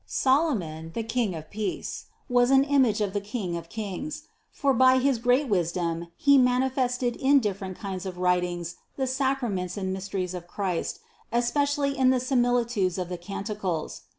161. Solomon, the king of peace, was an image of the King of kings ; for by his great wisdom he manifested in different kinds of writings the sacraments and mys teries of Christ, especially in the similitudes of the Canticles.